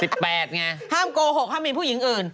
ห้ามโกหกห้ามมีผู้หญิงอื่น